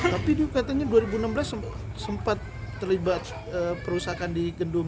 tapi di katanya dua ribu enam belas sempat terlibat perusahaan di kendum